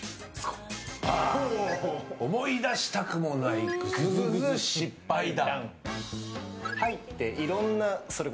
思い出したくもないグズグズ失敗談。